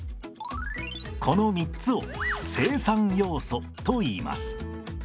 この３つを生産要素といいます。